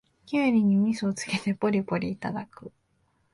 キュウリにみそをつけてポリポリいただく